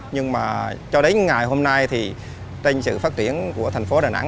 nhưng mà cho đến ngày hôm nay thì trên sự phát triển của thành phố đà nẵng